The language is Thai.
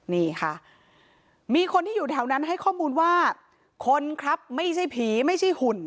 นี่ค่ะมีคนที่อยู่แถวนั้นให้ข้อมูลว่าคนครับไม่ใช่ผีไม่ใช่หุ่น